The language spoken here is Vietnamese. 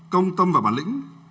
công tâm và bản lĩnh